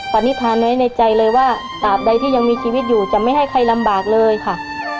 ปณิธานไว้ในใจเลยว่าตราบใดที่ยังมีชีวิตอยู่จะไม่ให้ใครลำบากเลยค่ะ